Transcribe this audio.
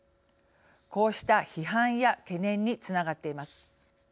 こうした批判や懸念につながっています。